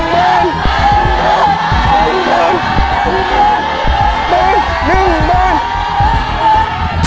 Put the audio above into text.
๑บ้าน